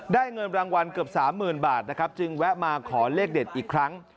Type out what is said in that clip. เงินรางวัลเกือบสามหมื่นบาทนะครับจึงแวะมาขอเลขเด็ดอีกครั้ง